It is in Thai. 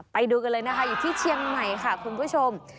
ไปดูกันเลยนะคะอยู่ที่เชียงใหม่ค่ะคุณผู้ชม